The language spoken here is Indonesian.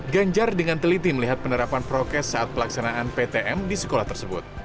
ganjar dengan teliti melihat penerapan prokes saat pelaksanaan ptm di sekolah tersebut